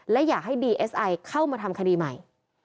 และอยากให้ดีเอสไอเข้ามาทำคดีใหม่